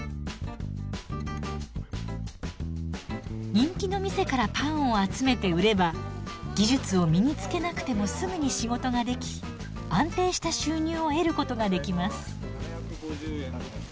人気の店からパンを集めて売れば技術を身につけなくてもすぐに仕事ができ安定した収入を得ることができます。